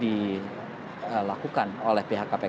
dilakukan oleh pihak kpk